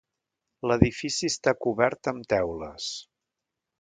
L'edifici està cobert amb teules.